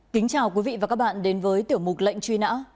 kính chào quý vị và các bạn đến với tiểu mục lệnh truy nã